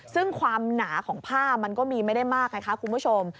ซึ่งความหนาของผ้ามันก็มีไม่ได้มากไงคะคุณผู้ชม